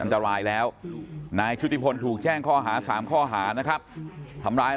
อันตรายแล้วนายชุติพลถูกแจ้งข้อหา๓ข้อหานะครับทำร้าย